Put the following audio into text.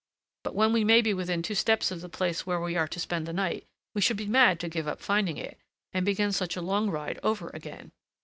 But when we may be within two steps of the place where we are to spend the night, we should be mad to give up finding it, and begin such a long ride over again.